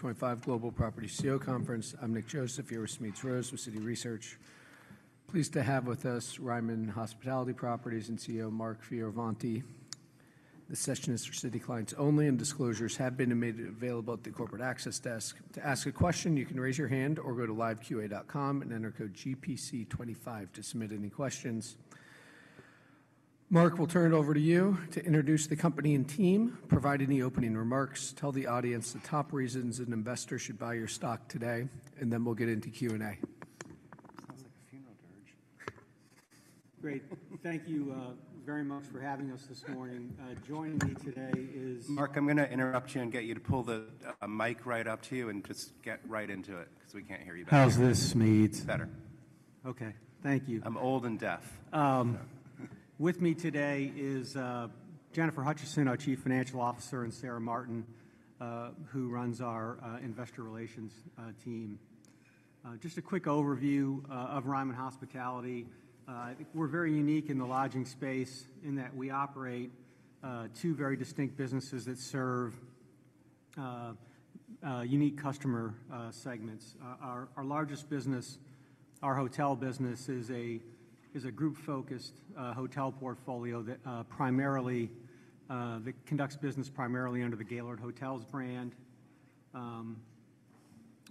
2025 Global Property CEO Conference. I'm Nick Joseph here with Smedes Rose with Citi Research. Pleased to have with us Ryman Hospitality Properties and CEO Mark Fioravanti. This session is for Citi clients only, and disclosures have been made available at the corporate access desk. To ask a question, you can raise your hand or go to liveqa.com and enter code GPC25 to submit any questions. Mark, we'll turn it over to you to introduce the company and team, provide any opening remarks, tell the audience the top reasons an investor should buy your stock today, and then we'll get into Q&A. Great. Thank you very much for having us this morning. Joining me today is. Mark, I'm going to interrupt you and get you to pull the mic right up to you and just get right into it because we can't hear you back here. How's this, Smedes? Better. Okay. Thank you. I'm old and deaf. With me today is Jennifer Hutcheson, our Chief Financial Officer, and Sarah Martin, who runs our investor relations team. Just a quick overview of Ryman Hospitality. We're very unique in the lodging space in that we operate two very distinct businesses that serve unique customer segments. Our largest business, our hotel business, is a group-focused hotel portfolio that conducts business primarily under the Gaylord Hotels brand.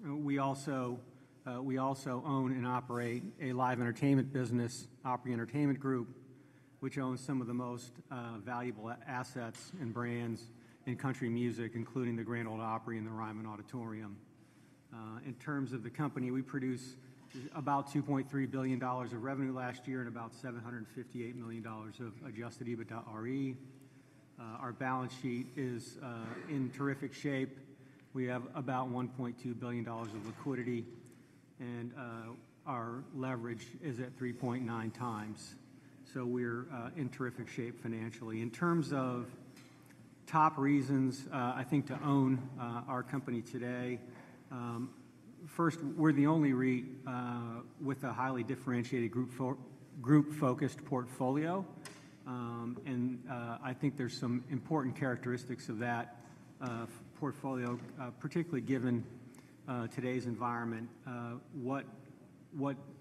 We also own and operate a live entertainment business, Opry Entertainment Group, which owns some of the most valuable assets and brands in country music, including the Grand Ole Opry and the Ryman Auditorium. In terms of the company, we produced about $2.3 billion of revenue last year and about $758 million of adjusted EBITDAre. Our balance sheet is in terrific shape. We have about $1.2 billion of liquidity, and our leverage is at 3.9 times, so we're in terrific shape financially. In terms of top reasons, I think, to own our company today, first, we're the only REIT with a highly differentiated group-focused portfolio. And I think there's some important characteristics of that portfolio, particularly given today's environment. What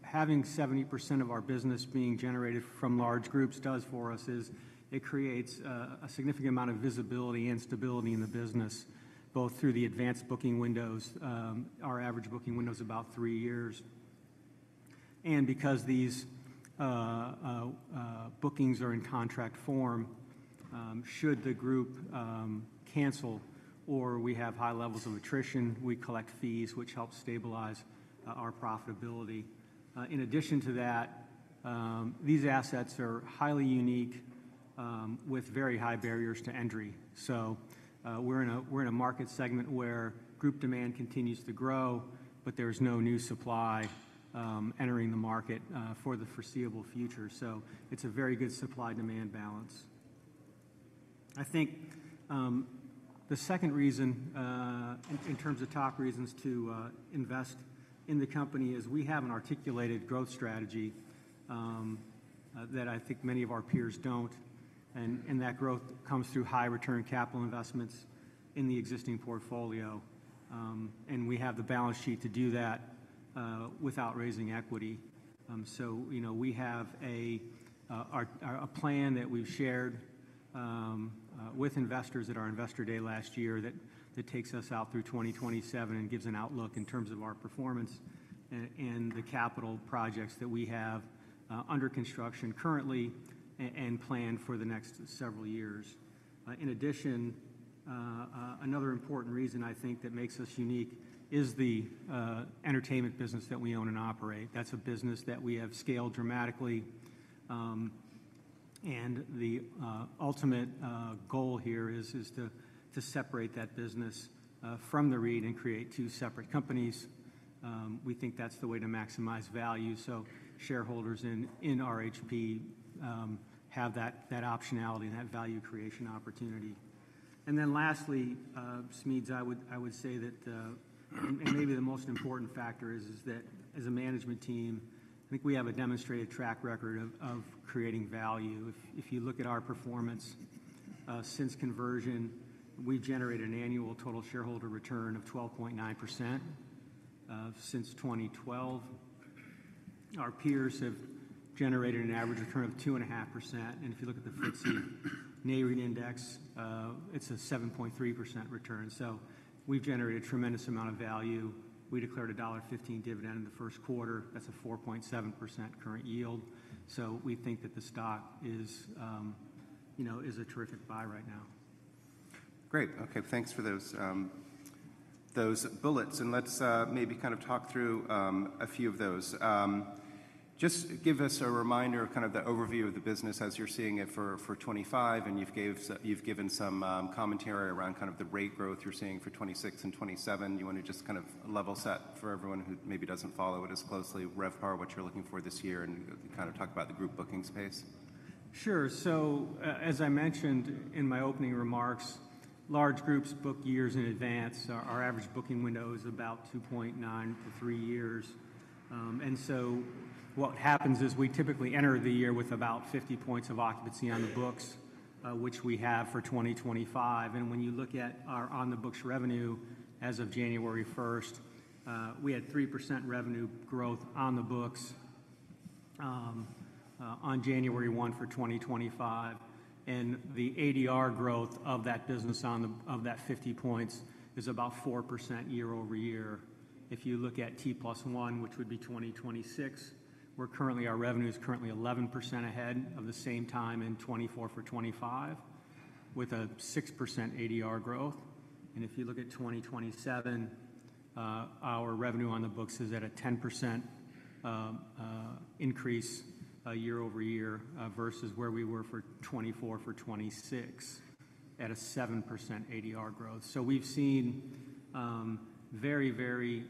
having 70% of our business being generated from large groups does for us is it creates a significant amount of visibility and stability in the business, both through the advanced booking windows. Our average booking window is about three years. And because these bookings are in contract form, should the group cancel or we have high levels of attrition, we collect fees, which helps stabilize our profitability. In addition to that, these assets are highly unique with very high barriers to entry. So we're in a market segment where group demand continues to grow, but there's no new supply entering the market for the foreseeable future. So it's a very good supply-demand balance. I think the second reason, in terms of top reasons to invest in the company, is we have an articulated growth strategy that I think many of our peers don't. And that growth comes through high-return capital investments in the existing portfolio. And we have the balance sheet to do that without raising equity. So we have a plan that we've shared with investors at our investor day last year that takes us out through 2027 and gives an outlook in terms of our performance and the capital projects that we have under construction currently and planned for the next several years. In addition, another important reason I think that makes us unique is the entertainment business that we own and operate. That's a business that we have scaled dramatically. The ultimate goal here is to separate that business from the REIT and create two separate companies. We think that's the way to maximize value. So shareholders in RHP have that optionality and that value creation opportunity. And then lastly, Smedes, I would say that, and maybe the most important factor is that as a management team, I think we have a demonstrated track record of creating value. If you look at our performance since conversion, we've generated an annual total shareholder return of 12.9% since 2012. Our peers have generated an average return of 2.5%. And if you look at the FTSE Nareit Index, it's a 7.3% return. So we've generated a tremendous amount of value. We declared a $1.15 dividend in the first quarter. That's a 4.7% current yield. So we think that the stock is a terrific buy right now. Great. Okay. Thanks for those bullets. And let's maybe kind of talk through a few of those. Just give us a reminder of kind of the overview of the business as you're seeing it for 2025. And you've given some commentary around kind of the rate growth you're seeing for 2026 and 2027. You want to just kind of level set for everyone who maybe doesn't follow it as closely, RevPAR, what you're looking for this year, and kind of talk about the group booking space. Sure. So as I mentioned in my opening remarks, large groups book years in advance. Our average booking window is about 2.9 to 3 years. And so what happens is we typically enter the year with about 50 points of occupancy on the books, which we have for 2025. And when you look at our on-the-books revenue as of January 1st, we had 3% revenue growth on the books on January 1 for 2025. And the ADR growth of that business, of that 50 points, is about 4% year-over-year. If you look at T+1, which would be 2026, our revenue is currently 11% ahead of the same time in 2024 for 2025 with a 6% ADR growth. If you look at 2027, our revenue on the books is at a 10% increase year-over-year versus where we were for 2024 for 2026 at a 7% ADR growth. We've seen very, very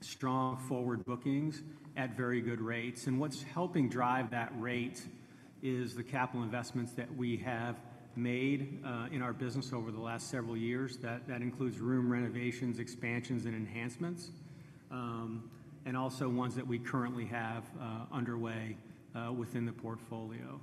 strong forward bookings at very good rates. What's helping drive that rate is the capital investments that we have made in our business over the last several years. That includes room renovations, expansions, and enhancements, and also ones that we currently have underway within the portfolio.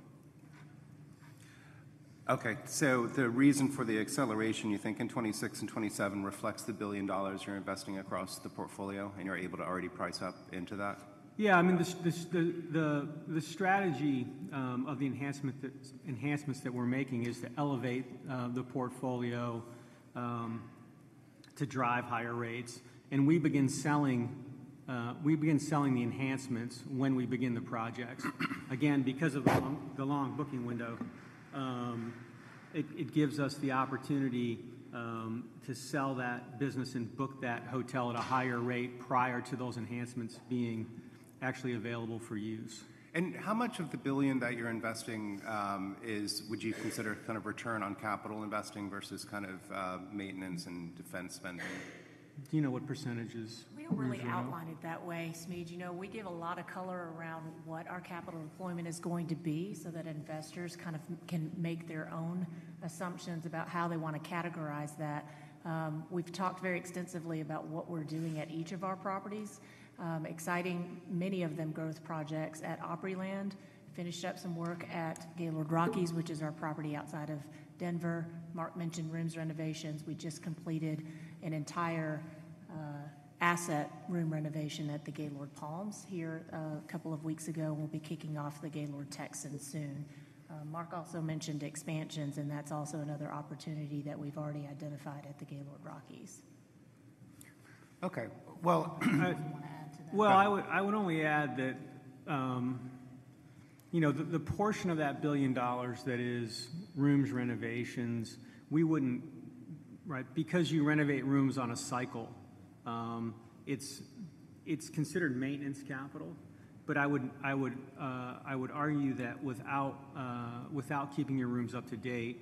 Okay. So the reason for the acceleration, you think, in 2026 and 2027 reflects the billion dollars you're investing across the portfolio and you're able to already price up into that? Yeah. I mean, the strategy of the enhancements that we're making is to elevate the portfolio to drive higher rates. And we begin selling the enhancements when we begin the projects. Again, because of the long booking window, it gives us the opportunity to sell that business and book that hotel at a higher rate prior to those enhancements being actually available for use. How much of the billion that you're investing would you consider kind of return on capital investing versus kind of maintenance and defense spending? Do you know what percentage is? We don't really outline it that way, Smedes. We give a lot of color around what our capital deployment is going to be so that investors kind of can make their own assumptions about how they want to categorize that. We've talked very extensively about what we're doing at each of our properties. Exciting, many of them growth projects at Opryland. Finished up some work at Gaylord Rockies, which is our property outside of Denver. Mark mentioned rooms renovations. We just completed an entire guest room renovation at the Gaylord Palms here a couple of weeks ago, and we'll be kicking off the Gaylord Texan soon. Mark also mentioned expansions, and that's also another opportunity that we've already identified at the Gaylord Rockies. Okay. Well. I don't know if you want to add to that. I would only add that the portion of that billion that is rooms renovations, we wouldn't, right? Because you renovate rooms on a cycle, it's considered maintenance capital. But I would argue that without keeping your rooms up to date,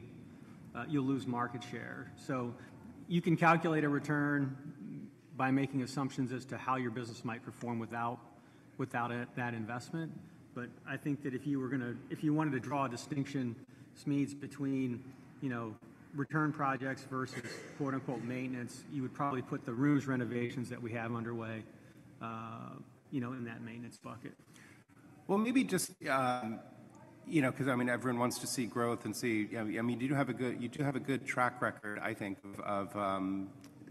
you'll lose market share. So you can calculate a return by making assumptions as to how your business might perform without that investment. But I think that if you were going to, if you wanted to draw a distinction, Smedes, between return projects versus "maintenance," you would probably put the rooms renovations that we have underway in that maintenance bucket. Maybe just, you know, because I mean, everyone wants to see growth and see, I mean, you do have a good track record, I think, of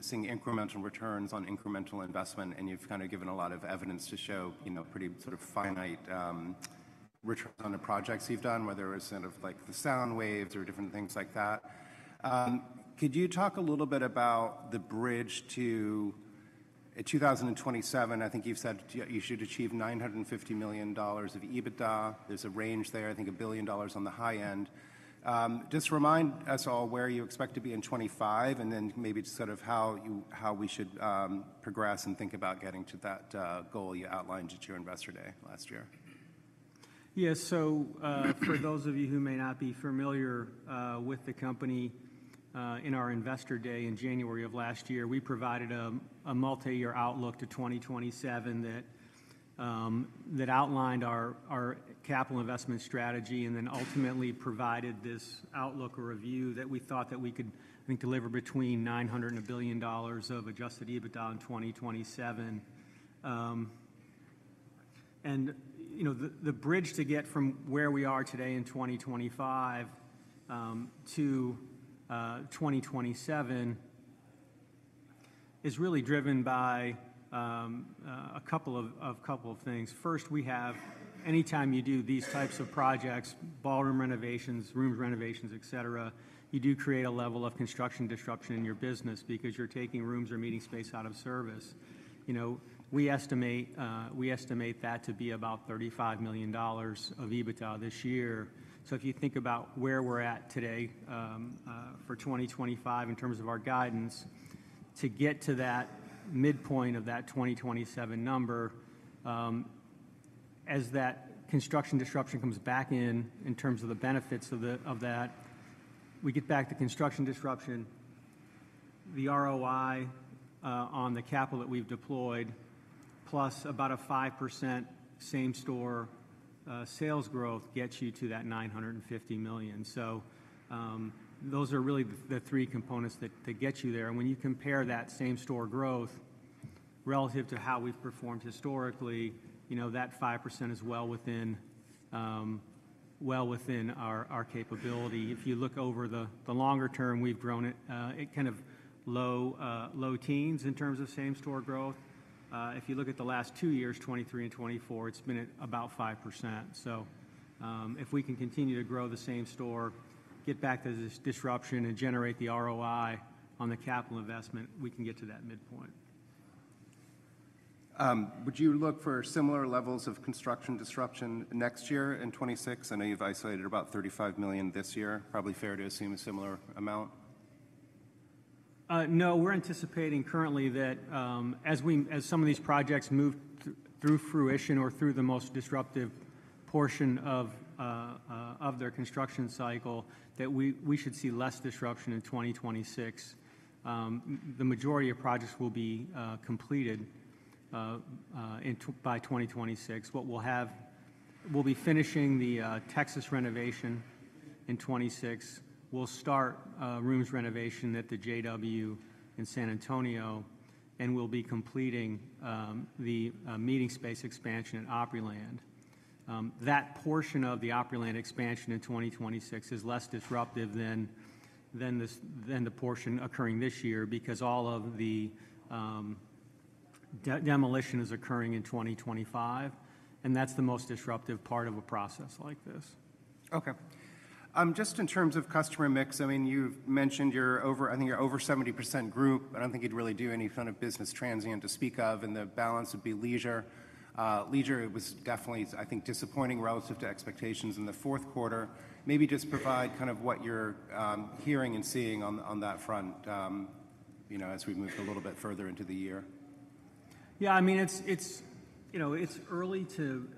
seeing incremental returns on incremental investment, and you've kind of given a lot of evidence to show pretty sort of finite returns on the projects you've done, whether it's sort of like the SoundWaves or different things like that. Could you talk a little bit about the bridge to 2027? I think you've said you should achieve $950 million of EBITDA. There's a range there, I think billion dollars on the high end. Just remind us all where you expect to be in 2025 and then maybe sort of how we should progress and think about getting to that goal you outlined at your investor day last year. Yeah. So for those of you who may not be familiar with the company, in our investor day in January of last year, we provided a multi-year outlook to 2027 that outlined our capital investment strategy and then ultimately provided this outlook or review that we thought that we could, I think, deliver between $900 and a billion dollars of adjusted EBITDA in 2027. The bridge to get from where we are today in 2025-2027 is really driven by a couple of things. First, we have, anytime you do these types of projects, ballroom renovations, rooms renovations, etc., you do create a level of construction disruption in your business because you're taking rooms or meeting space out of service. We estimate that to be about $35 million of EBITDA this year. If you think about where we're at today for 2025 in terms of our guidance, to get to that midpoint of that 2027 number, as that construction disruption comes back in in terms of the benefits of that, we get back to construction disruption, the ROI on the capital that we've deployed, plus about a 5% same-store sales growth gets you to that $950 million. Those are really the three components that get you there. When you compare that same-store growth relative to how we've performed historically, that 5% is well within our capability. If you look over the longer term, we've grown it kind of low teens in terms of same-store growth. If you look at the last two years, 2023 and 2024, it's been at about 5%. So if we can continue to grow the same-store, get back to this disruption and generate the ROI on the capital investment, we can get to that midpoint. Would you look for similar levels of construction disruption next year in 2026? I know you've isolated about $35 million this year. Probably fair to assume a similar amount. No, we're anticipating currently that as some of these projects move through fruition or through the most disruptive portion of their construction cycle, that we should see less disruption in 2026. The majority of projects will be completed by 2026. We'll be finishing the Texas renovation in 2026. We'll start rooms renovation at the JW in San Antonio, and we'll be completing the meeting space expansion at Opryland. That portion of the Opryland expansion in 2026 is less disruptive than the portion occurring this year because all of the demolition is occurring in 2025. That's the most disruptive part of a process like this. Okay. Just in terms of customer mix, I mean, you've mentioned you're over, I think you're over 70% group. I don't think you'd really do any kind of business transient to speak of. And the balance would be leisure. Leisure was definitely, I think, disappointing relative to expectations in the fourth quarter. Maybe just provide kind of what you're hearing and seeing on that front as we move a little bit further into the year. Yeah. I mean, it's early to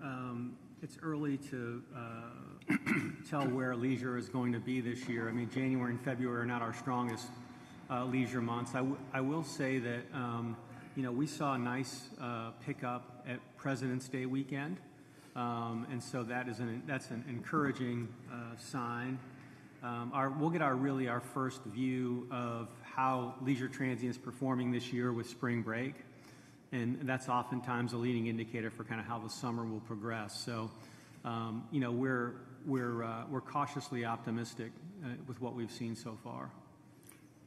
tell where leisure is going to be this year. I mean, January and February are not our strongest leisure months. I will say that we saw a nice pickup at Presidents' Day weekend, and so that's an encouraging sign. We'll get really our first view of how leisure transient is performing this year with spring break, and that's oftentimes a leading indicator for kind of how the summer will progress, so we're cautiously optimistic with what we've seen so far.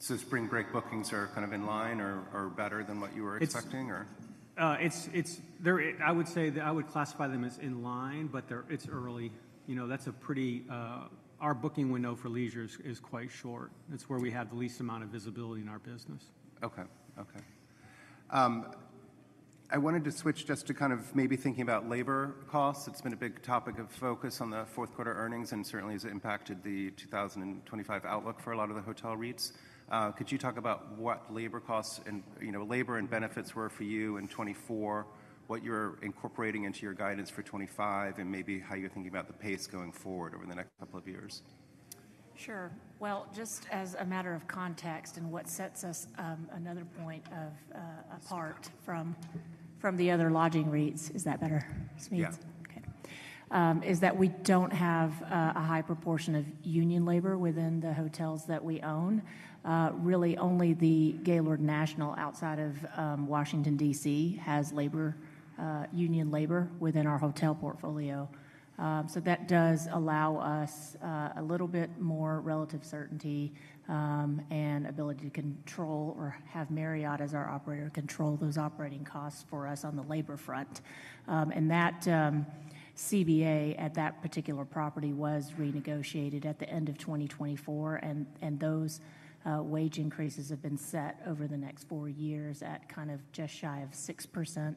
So spring break bookings are kind of in line or better than what you were expecting, or? I would say that I would classify them as in line, but it's early. That's a pretty, our booking window for leisure is quite short. It's where we have the least amount of visibility in our business. Okay. Okay. I wanted to switch just to kind of maybe thinking about labor costs. It's been a big topic of focus on the fourth quarter earnings and certainly has impacted the 2025 outlook for a lot of the hotel REITs. Could you talk about what labor costs and labor and benefits were for you in 2024, what you're incorporating into your guidance for 2025, and maybe how you're thinking about the pace going forward over the next couple of years? Sure. Well, just as a matter of context and what sets us another point apart from the other lodging REITs, is that better, Smedes? Yeah. Okay. It's that we don't have a high proportion of union labor within the hotels that we own. Really, only the Gaylord National outside of Washington, D.C. has union labor within our hotel portfolio. So that does allow us a little bit more relative certainty and ability to control or have Marriott, as our operator, control those operating costs for us on the labor front. That CBA at that particular property was renegotiated at the end of 2024. Those wage increases have been set over the next four years at kind of just shy of 6%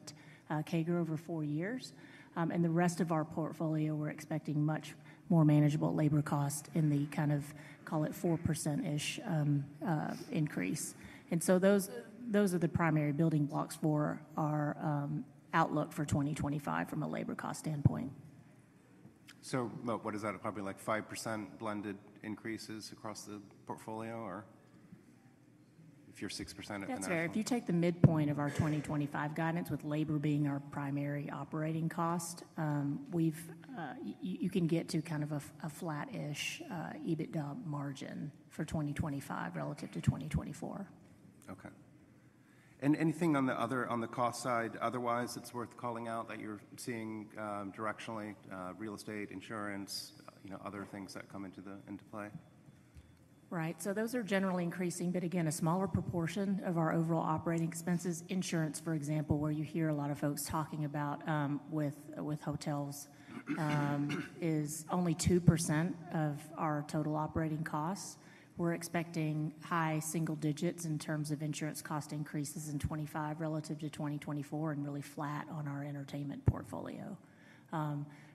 CAGR over four years. The rest of our portfolio, we're expecting much more manageable labor costs in the kind of, call it 4%-ish increase. So those are the primary building blocks for our outlook for 2025 from a labor cost standpoint. So what is that, probably like 5% blended increases across the portfolio, or if you're 6%? That's fair. If you take the midpoint of our 2025 guidance with labor being our primary operating cost, you can get to kind of a flat-ish EBITDA margin for 2025 relative to 2024. Okay, and anything on the cost side otherwise that's worth calling out that you're seeing directionally, real estate, insurance, other things that come into play? Right. So those are generally increasing, but again, a smaller proportion of our overall operating expenses. Insurance, for example, where you hear a lot of folks talking about with hotels, is only 2% of our total operating costs. We're expecting high single digits in terms of insurance cost increases in 2025 relative to 2024 and really flat on our entertainment portfolio.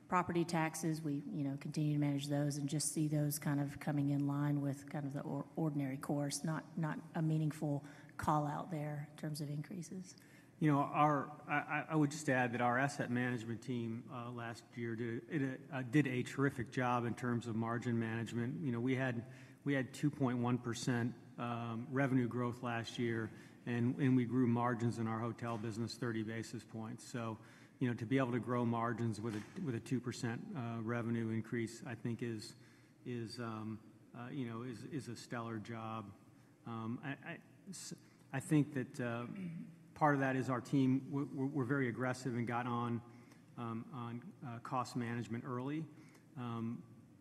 Property taxes, we continue to manage those and just see those kind of coming in line with kind of the ordinary course, not a meaningful callout there in terms of increases. You know, I would just add that our asset management team last year did a terrific job in terms of margin management. We had 2.1% revenue growth last year, and we grew margins in our hotel business 30 basis points, so to be able to grow margins with a 2% revenue increase, I think is a stellar job. I think that part of that is our team. We're very aggressive and got on cost management early.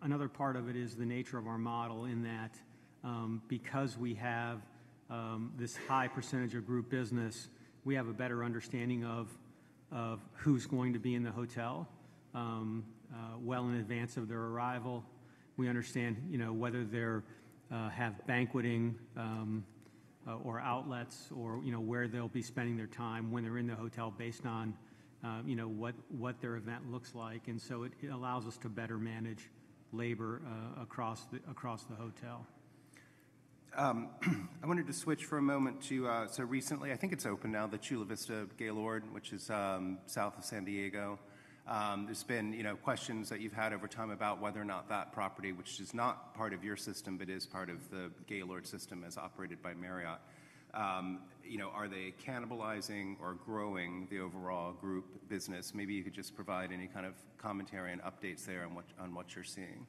Another part of it is the nature of our model in that because we have this high percentage of group business, we have a better understanding of who's going to be in the hotel well in advance of their arrival. We understand whether they have banqueting or outlets or where they'll be spending their time when they're in the hotel based on what their event looks like. It allows us to better manage labor across the hotel. I wanted to switch for a moment to, so recently, I think it's open now, the Chula Vista Gaylord, which is south of San Diego. There's been questions that you've had over time about whether or not that property, which is not part of your system, but is part of the Gaylord system as operated by Marriott, are they cannibalizing or growing the overall group business? Maybe you could just provide any kind of commentary and updates there on what you're seeing.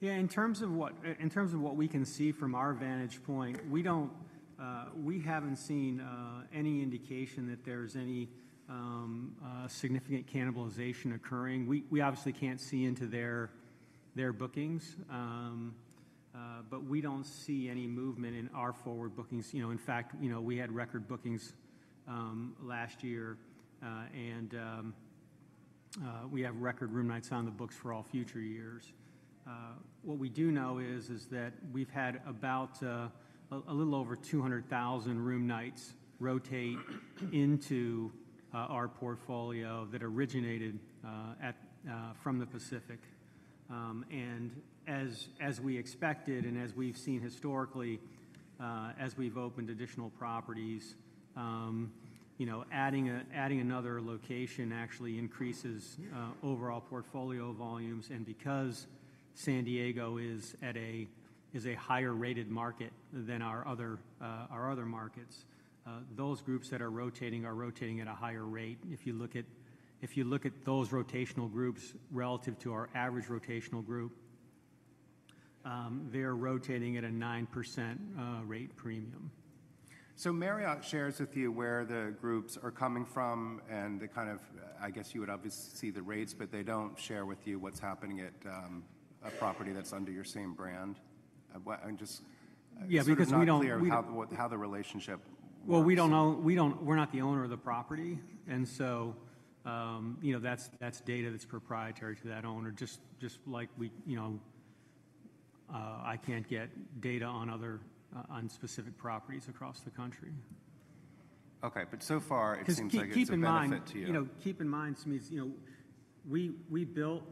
Yeah. In terms of what we can see from our vantage point, we haven't seen any indication that there's any significant cannibalization occurring. We obviously can't see into their bookings, but we don't see any movement in our forward bookings. In fact, we had record bookings last year, and we have record room nights on the books for all future years. What we do know is that we've had about a little over 200,000 room nights rotate into our portfolio that originated from the Pacific. And as we expected and as we've seen historically, as we've opened additional properties, adding another location actually increases overall portfolio volumes. And because San Diego is a higher-rated market than our other markets, those groups that are rotating are rotating at a higher rate. If you look at those rotational groups relative to our average rotational group, they're rotating at a 9% rate premium. So Marriott shares with you where the groups are coming from and the kind of, I guess you would obviously see the rates, but they don't share with you what's happening at a property that's under your same brand. I'm just unclear how the relationship works. We don't know. We're not the owner of the property. And so that's data that's proprietary to that owner. Just like I can't get data on specific properties across the country. Okay, but so far, it seems like it's benefit to you. Keep in mind, Smedes, we built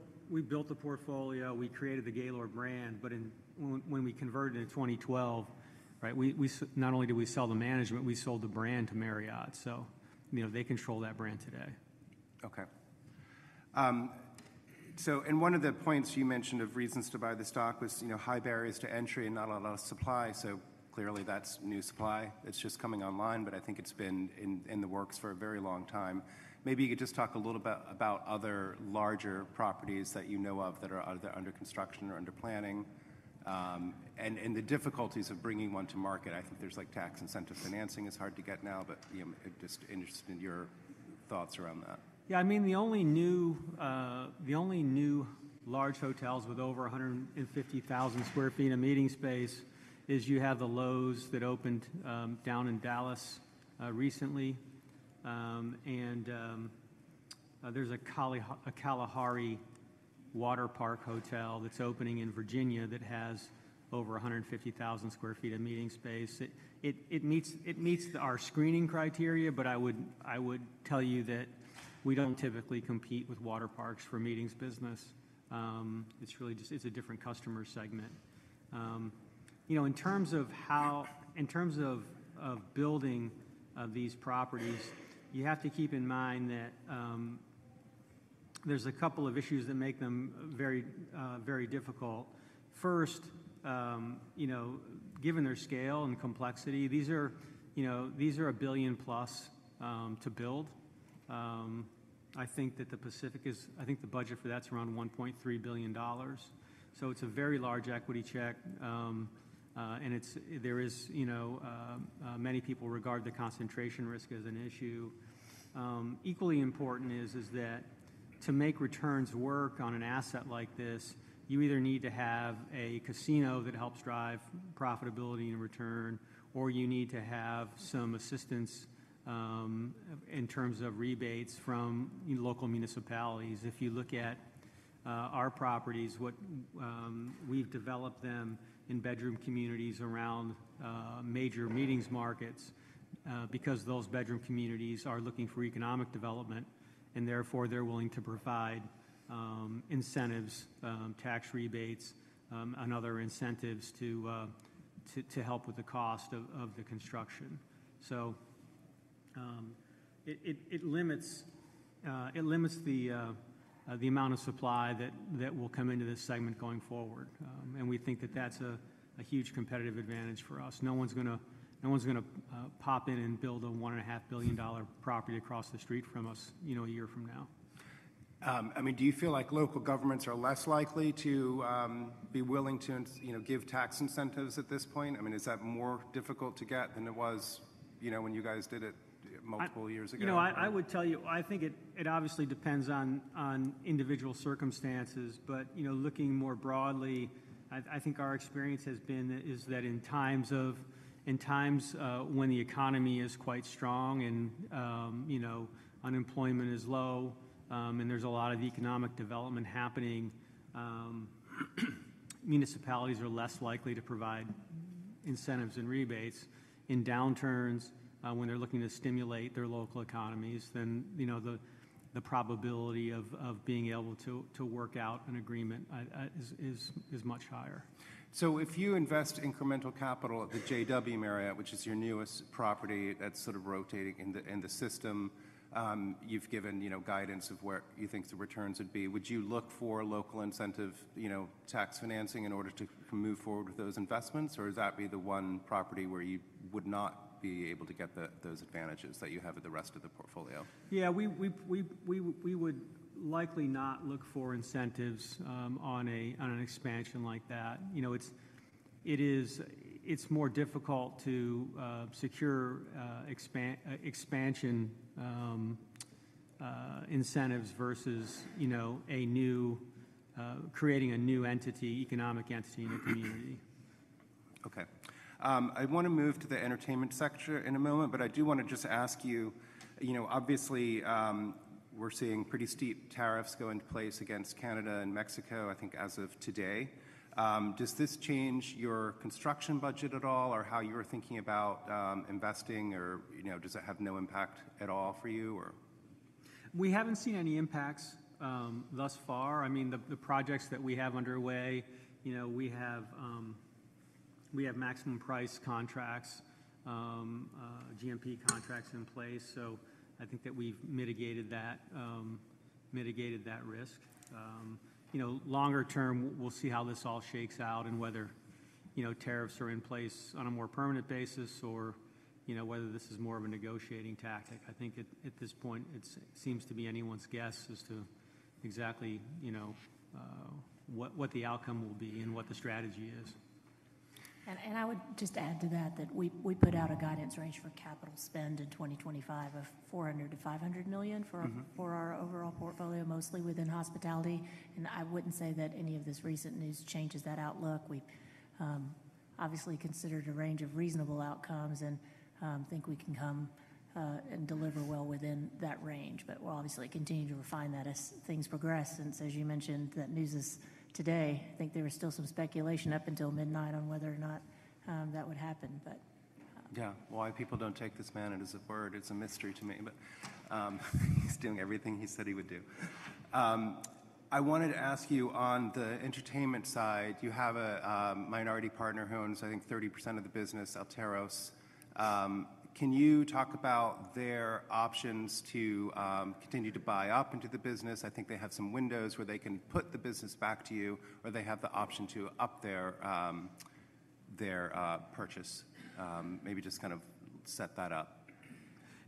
the portfolio, we created the Gaylord brand, but when we converted in 2012, not only did we sell the management, we sold the brand to Marriott. So they control that brand today. Okay, and one of the points you mentioned as reasons to buy the stock was high barriers to entry and not a lot of supply, so clearly that's new supply that's just coming online, but I think it's been in the works for a very long time. Maybe you could just talk a little bit about other larger properties that you know of that are either under construction or under planning and the difficulties of bringing one to market. I think tax incentive financing is hard to get now, but just interested in your thoughts around that. Yeah. I mean, the only new large hotels with over 150,000 sq ft of meeting space is you have the Loews that opened down in Dallas recently. And there's a Kalahari Waterpark hotel that's opening in Virginia that has over 150,000 sq ft of meeting space. It meets our screening criteria, but I would tell you that we don't typically compete with water parks for meetings business. It's a different customer segment. In terms of building these properties, you have to keep in mind that there's a couple of issues that make them very difficult. First, given their scale and complexity, these are a billion-plus to build. I think that the Pacific is, I think the budget for that's around $1.3 billion. So it's a very large equity check. And many people regard the concentration risk as an issue. Equally important is that to make returns work on an asset like this, you either need to have a casino that helps drive profitability and return, or you need to have some assistance in terms of rebates from local municipalities. If you look at our properties, we've developed them in bedroom communities around major meetings markets because those bedroom communities are looking for economic development, and therefore they're willing to provide incentives, tax rebates, and other incentives to help with the cost of the construction. So it limits the amount of supply that will come into this segment going forward. And we think that that's a huge competitive advantage for us. No one's going to pop in and build a $1.5 billion property across the street from us a year from now. I mean, do you feel like local governments are less likely to be willing to give tax incentives at this point? I mean, is that more difficult to get than it was when you guys did it multiple years ago? You know, I would tell you, I think it obviously depends on individual circumstances. But looking more broadly, I think our experience has been that in times when the economy is quite strong and unemployment is low and there's a lot of economic development happening, municipalities are less likely to provide incentives and rebates. In downturns, when they're looking to stimulate their local economies, then the probability of being able to work out an agreement is much higher. So if you invest incremental capital at the JW Marriott, which is your newest property that's sort of rotating in the system, you've given guidance of where you think the returns would be. Would you look for local incentive tax financing in order to move forward with those investments, or would that be the one property where you would not be able to get those advantages that you have at the rest of the portfolio? Yeah. We would likely not look for incentives on an expansion like that. It's more difficult to secure expansion incentives versus creating a new entity, economic entity in a community. Okay. I want to move to the entertainment sector in a moment, but I do want to just ask you, obviously, we're seeing pretty steep tariffs go into place against Canada and Mexico, I think as of today. Does this change your construction budget at all or how you're thinking about investing, or does it have no impact at all for you, or? We haven't seen any impacts thus far. I mean, the projects that we have underway, we have maximum price contracts, GMP contracts in place. So I think that we've mitigated that risk. Longer term, we'll see how this all shakes out and whether tariffs are in place on a more permanent basis or whether this is more of a negotiating tactic. I think at this point, it seems to be anyone's guess as to exactly what the outcome will be and what the strategy is. And I would just add to that that we put out a guidance range for capital spend in 2025 of $400 million-$500 million for our overall portfolio, mostly within hospitality. And I wouldn't say that any of this recent news changes that outlook. We obviously considered a range of reasonable outcomes and think we can come and deliver well within that range. But we'll obviously continue to refine that as things progress. And as you mentioned, that news is today. I think there was still some speculation up until midnight on whether or not that would happen, but. Yeah. Why people don't take this man at his word is a mystery to me, but he's doing everything he said he would do. I wanted to ask you on the entertainment side, you have a minority partner who owns, I think, 30% of the business, Atairos. Can you talk about their options to continue to buy up into the business? I think they have some windows where they can put the business back to you or they have the option to up their purchase. Maybe just kind of set that up.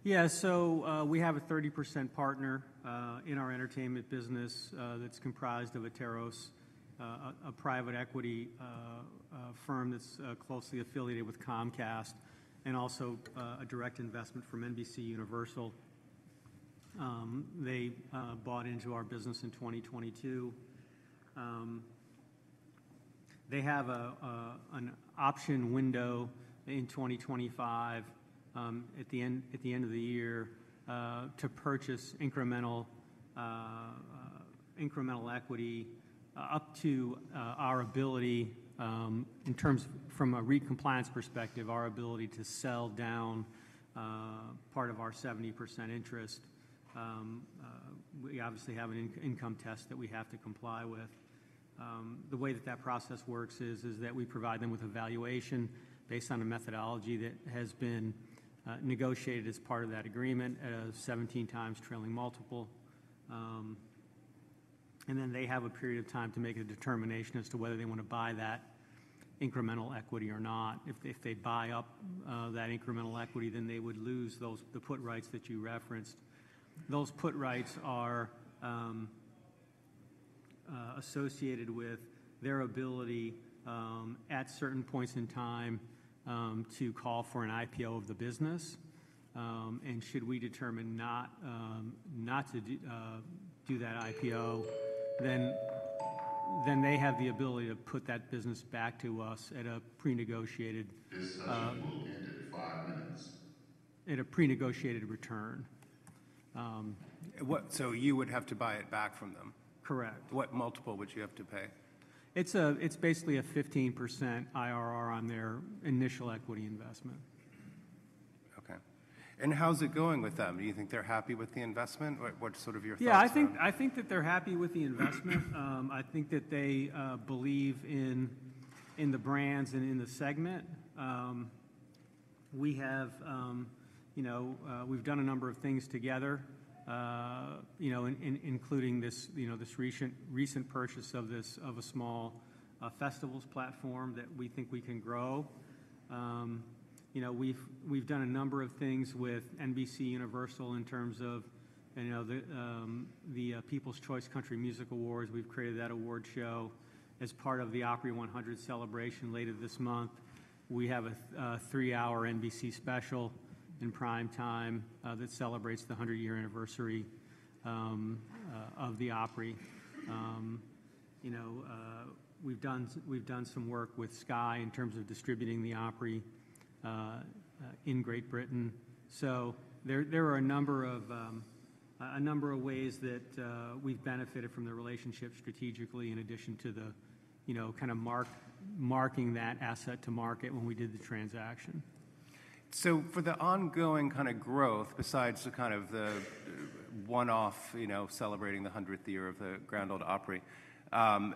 Yeah. So we have a 30% partner in our entertainment business that's comprised of Atairos, a private equity firm that's closely affiliated with Comcast, and also a direct investment from NBCUniversal. They bought into our business in 2022. They have an option window in 2025 at the end of the year to purchase incremental equity up to our ability in terms from a re-compliance perspective, our ability to sell down part of our 70% interest. We obviously have an income test that we have to comply with. The way that that process works is that we provide them with a valuation based on a methodology that has been negotiated as part of that agreement at a 17 times trailing multiple. And then they have a period of time to make a determination as to whether they want to buy that incremental equity or not. If they buy up that incremental equity, then they would lose the put rights that you referenced. Those put rights are associated with their ability at certain points in time to call for an IPO of the business. And should we determine not to do that IPO, then they have the ability to put that business back to us at a pre-negotiated. This session will end in five minutes. At a pre-negotiated return. So you would have to buy it back from them? Correct. What multiple would you have to pay? It's basically a 15% IRR on their initial equity investment. Okay. And how's it going with them? Do you think they're happy with the investment? What's sort of your thoughts? Yeah. I think that they're happy with the investment. I think that they believe in the brands and in the segment. We've done a number of things together, including this recent purchase of a small festivals platform that we think we can grow. We've done a number of things with NBCUniversal in terms of the People's Choice Country Awards. We've created that award show as part of the Opry 100 celebration later this month. We have a three-hour NBC special in prime time that celebrates the 100-year anniversary of the Opry. We've done some work with Sky in terms of distributing the Opry in Great Britain. So there are a number of ways that we've benefited from the relationship strategically in addition to the kind of marking that asset to market when we did the transaction. So for the ongoing kind of growth, besides the kind of one-off celebrating the 100th year of the Grand Ole Opry,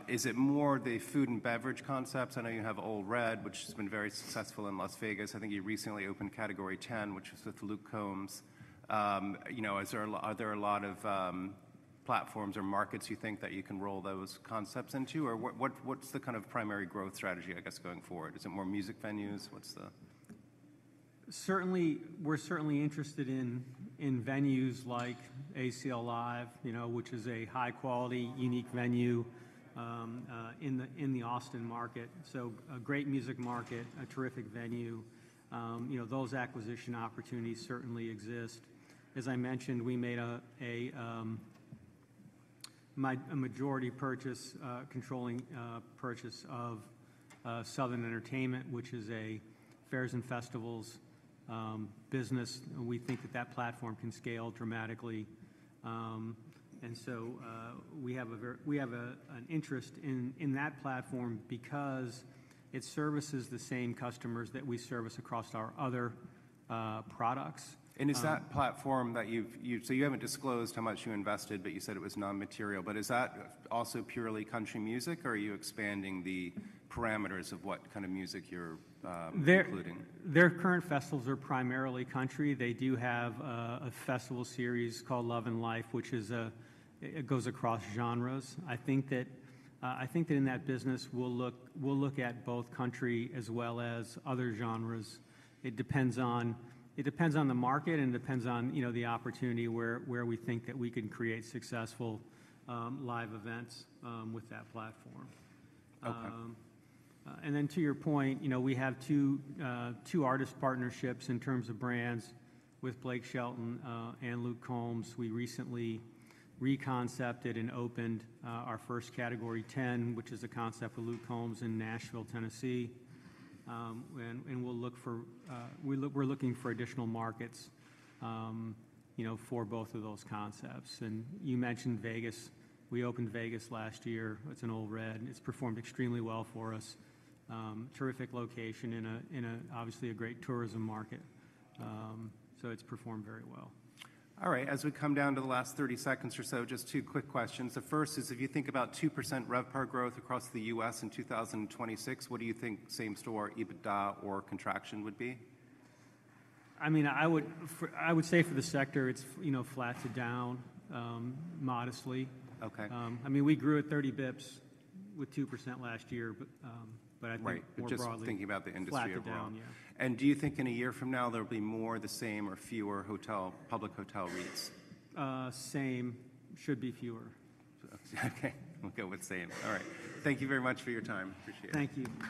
is it more the food and beverage concepts? I know you have Ole Red, which has been very successful in Las Vegas. I think you recently opened Category 10, which is with Luke Combs. Are there a lot of platforms or markets you think that you can roll those concepts into? Or what's the kind of primary growth strategy, I guess, going forward? Is it more music venues? Certainly, we're certainly interested in venues like ACL Live, which is a high-quality, unique venue in the Austin market. So a great music market, a terrific venue. Those acquisition opportunities certainly exist. As I mentioned, we made a majority controlling purchase of Southern Entertainment, which is a fairs and festivals business. We think that platform can scale dramatically. And so we have an interest in that platform because it services the same customers that we service across our other products. Is that platform that you've so you haven't disclosed how much you invested, but you said it was non-material. Is that also purely country music, or are you expanding the parameters of what kind of music you're including? Their current festivals are primarily country. They do have a festival series called Lovin' Life, which goes across genres. I think that in that business, we'll look at both country as well as other genres. It depends on the market and it depends on the opportunity where we think that we can create successful live events with that platform. And then to your point, we have two artist partnerships in terms of brands with Blake Shelton and Luke Combs. We recently re-concepted and opened our first Category 10, which is a concept for Luke Combs in Nashville, Tennessee. And we're looking for additional markets for both of those concepts. And you mentioned Vegas. We opened Vegas last year. It's an Ole Red. It's performed extremely well for us. Terrific location and obviously a great tourism market. So it's performed very well. All right. As we come down to the last 30 seconds or so, just two quick questions. The first is, if you think about 2% RevPAR growth across the U.S. in 2026, what do you think same-store EBITDA or contraction would be? I mean, I would say for the sector, it's flat to down modestly. I mean, we grew at 30 basis points with 2% last year, but I think more broadly. Right. We're just thinking about the industry overall. Flat to down, yeah. Do you think in a year from now, there'll be more of the same or fewer public hotel REITs? Same. Should be fewer. Okay. We'll go with same. All right. Thank you very much for your time. Appreciate it. Thank you.